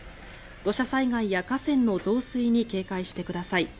土砂災害や河川の増水に警戒してください。